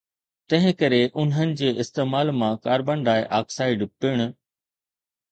تنهنڪري انهن جي استعمال مان ڪاربان ڊاءِ آڪسائيڊ پڻ